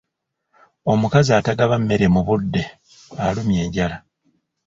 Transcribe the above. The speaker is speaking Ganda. Omukazi atagaba mmere mu budde alumya enjala.